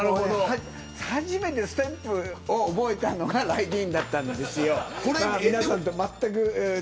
初めてステップを覚えたのがＲＹＤＥＥＮだったんですよ。